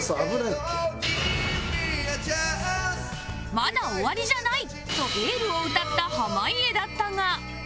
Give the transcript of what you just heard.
まだ終わりじゃないとエールを歌った濱家だったが